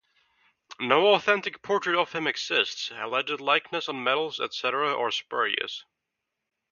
No authentic portrait of him exists; alleged likenesses on medals, etc., are spurious.